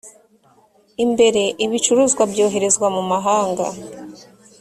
imbere ibicuruzwa byoherezwa mu mahanga